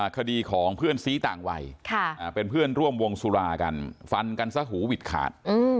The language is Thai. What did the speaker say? คดีของเพื่อนซี้ต่างวัยเป็นเพื่อนร่วมวงสุรากันฟันกันซะหูหวิดขาด